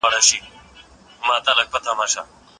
تاريخ زموږ د معاصر سياست روح دی.